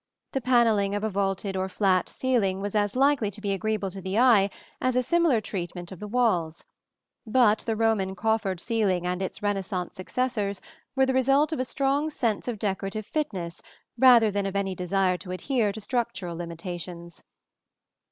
The panelling of a vaulted or flat ceiling was as likely to be agreeable to the eye as a similar treatment of the walls; but the Roman coffered ceiling and its Renaissance successors were the result of a strong sense of decorative fitness rather than of any desire to adhere to structural limitations.